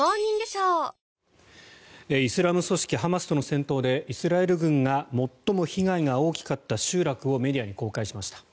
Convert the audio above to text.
イスラム組織ハマスとの戦闘でイスラエル軍が最も被害が大きかった集落をメディアに公開しました。